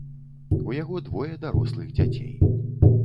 У яго двое дарослых дзяцей.